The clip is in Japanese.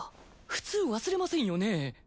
普通忘れませんよね。